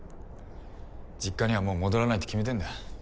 実家にはもう戻らないって決めてんだ。